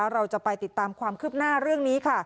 เราจะไปติดตามความคืบหน้าเรื่องนี้ค่ะ